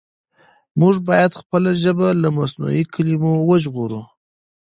موږ بايد خپله ژبه له مصنوعي کلمو وژغورو.